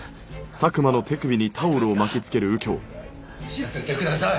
死なせてください！